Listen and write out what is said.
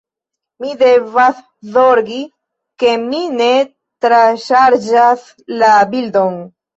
Mi devas zorgi, ke mi ne troŝarĝas la bildon.